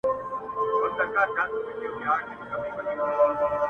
او بېوفايي ! يې سمه لکه خور وگڼه!